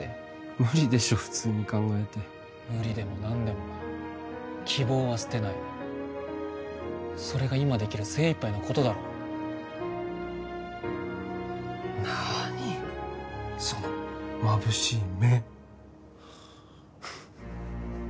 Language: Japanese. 無理でしょ普通に考えて無理でも何でも希望は捨てないそれが今できる精いっぱいのことだろ何そのまぶしい目